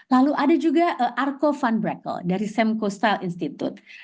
lalu ada juga arco funbrakle dari semco style institute